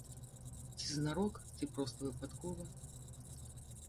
Ці знарок, ці проста выпадкова.